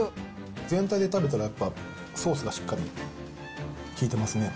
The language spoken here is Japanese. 全体で食べたらやっぱ、ソースがしっかり効いてますね。